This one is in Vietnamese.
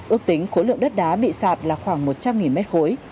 ước tính khối lượng đất đá bị sạt là khoảng một trăm linh mét khối